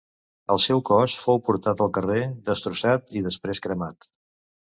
El seu cos fou portat al carrer, destrossat i després cremat.